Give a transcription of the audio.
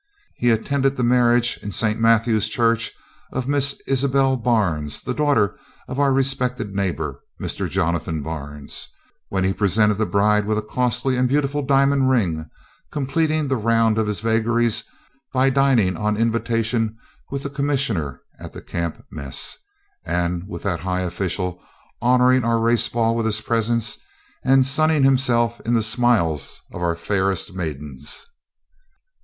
He attended the marriage, in St. Matthew's Church, of Miss Isabel Barnes, the daughter of our respected neighbour, Mr. Jonathan Barnes, when he presented the bride with a costly and beautiful diamond ring, completing the round of his vagaries by dining on invitation with the Commissioner at the camp mess, and, with that high official, honouring our race ball with his presence, and sunning himself in the smiles of our fairest maidens.